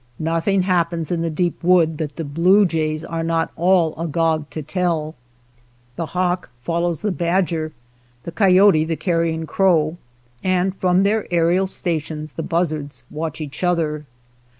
Nothina: happens in the deep wood that the blue jays are not all agog to tell. The hawk 55 THE SCAVENGERS follows the badger, the coyote the carrion crow, and from their aerial stations the buzzards watch each other.